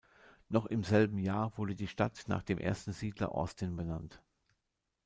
Noch im selben Jahr wurde die Stadt nach dem ersten Siedler Austin benannt.